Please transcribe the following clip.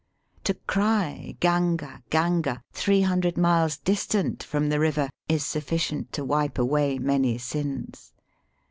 To cry ^^Ganga! Gang^ !'' three hundred miles dis tant from the river is sufficient to wipe away many sins.